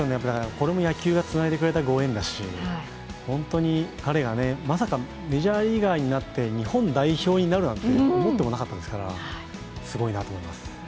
これも野球がつないでくれたご縁だし、本当に彼が、まさかメジャーリーガーになって日本代表になるなんて思ってもなかったですからすごいなと思います。